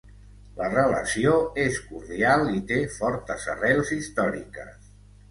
La relació és cordial i té fortes arrels històriques.